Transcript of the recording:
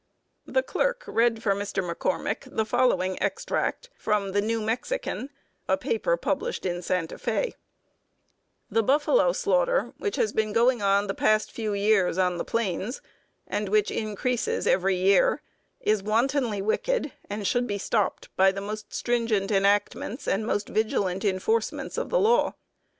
The Clerk read for Mr. McCormick the following extract from the New Mexican, a paper published in Santa Fé: The buffalo slaughter, which has been going on the past few years on the plains, and which increases every year, is wantonly wicked, and should be stopped by the most stringent enactments and most vigilant enforcements of the law.